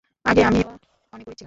আগে, আমিও অনেক গরিব ছিলাম।